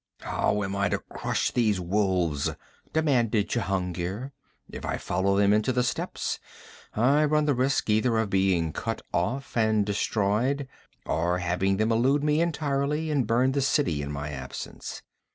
'How am I to crush these wolves?' demanded Jehungir. 'If I follow them into the steppes, I run the risk either of being cut off and destroyed, or having them elude me entirely and burn the city in my absence.